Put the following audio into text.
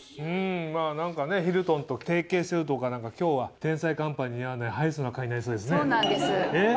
まぁ何かねヒルトンと提携してるとか今日は『天才‼カンパニー』に似合わないハイソな回になりそうですね。